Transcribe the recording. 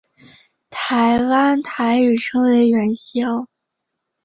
台湾台语称为元宵。